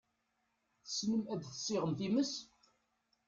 Tessnem ad tessiɣem times?